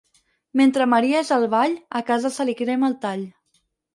Mentre Maria és al ball a casa se li crema el tall.